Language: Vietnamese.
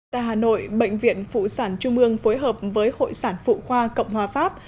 tại hà nội bệnh viện phụ sản trung ương phối hợp với hội sản phụ khoa cộng hòa pháp